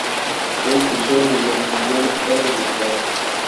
No hay distorsión en el meridiano central o en el ecuador.